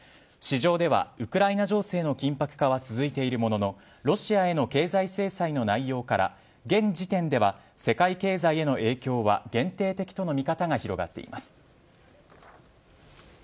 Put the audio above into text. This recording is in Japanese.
市場ではウクライナ情勢の緊迫化は続いているもののロシアへの経済制裁の内容から現時点では、世界経済への影響は限定的との見方が広がっています。